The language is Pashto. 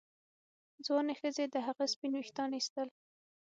ځوانې ښځې د هغه سپین ویښتان ایستل.